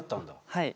はい。